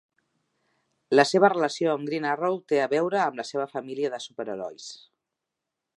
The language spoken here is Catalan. La seva relació amb Green Arrow té a veure amb la seva família de superherois.